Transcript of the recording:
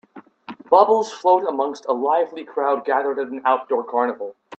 Bubbles float amongst a lively crowd gathered at an outdoor carnival.